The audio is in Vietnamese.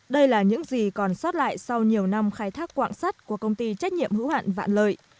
đây là những gì còn sót lại sau nhiều năm khai thác quạng sắt của công ty trách nhiệm hữu hạn vạn lợi